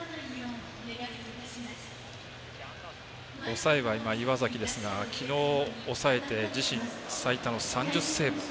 抑えは今、岩崎ですが昨日、抑えて自身最多の３０セーブ。